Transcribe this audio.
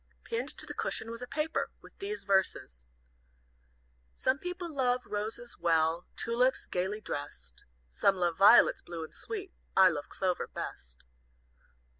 Pinned to the cushion was a paper, with these verses: "Some people love roses well, Tulips, gayly dressed, Some love violets blue and sweet, I love Clover best.